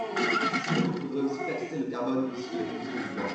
Sinon, il faudrait aussi taxer le carbone issu de la combustion du bois.